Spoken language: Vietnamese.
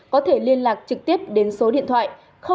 có thể liên lạc trực tiếp đến số điện thoại